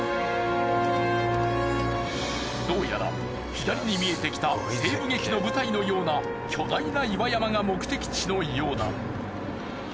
どうやら左に見えてきた西部劇の舞台のような巨大な岩山が目的地のようだ。